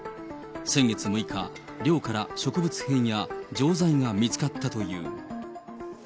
先月６日、寮から植物片や錠剤が見つかったという。